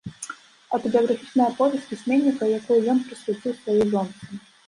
Аўтабіяграфічная аповесць пісьменніка, якую ён прысвяціў сваёй жонцы.